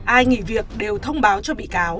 ai nghỉ việc đều thông báo